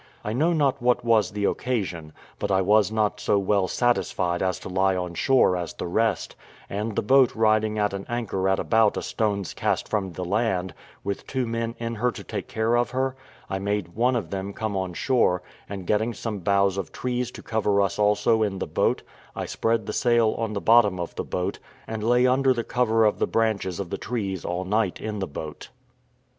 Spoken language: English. I know not what was the occasion, but I was not so well satisfied to lie on shore as the rest; and the boat riding at an anchor at about a stone's cast from the land, with two men in her to take care of her, I made one of them come on shore; and getting some boughs of trees to cover us also in the boat, I spread the sail on the bottom of the boat, and lay under the cover of the branches of the trees all night in the boat.